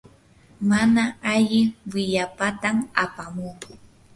mana alli willapatam apamuu.